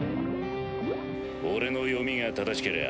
俺の読みが正しけりゃ